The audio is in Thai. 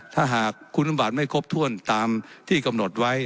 ถ้าหากคุณบาทไม่ครบถ้วนตามที่กำหนดไว้